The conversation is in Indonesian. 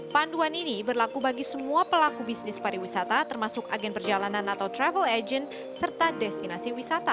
panduan ini berlaku bagi semua pelaku bisnis pariwisata termasuk agen perjalanan atau travel agent serta destinasi wisata